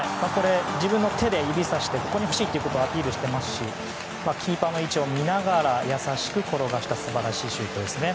自分の手で指さしてここに欲しいとアピールしてますしキーパーの位置を見ながら優しく転がした素晴らしいシュートですね。